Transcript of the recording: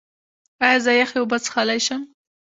ایا زه یخې اوبه څښلی شم؟